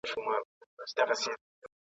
زه د هري نغمې شرنګ یم زه د هري شپې سهار یم ..